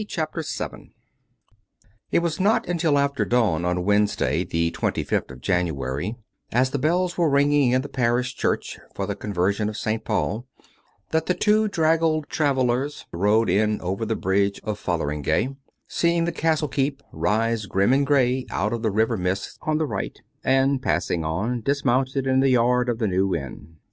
CHAPTER VII It was not until after dawn on Wednesday, the twenty fifth of January, as the bells were ringing in the parish church for the Conversion of St. Paul, that the two draggled travellers rode in over the bridge of Fotheringay, seeing the castle keep rise grim and grey out of the river mists on the right; and, passing on, dismounted in the yard of the New Inn.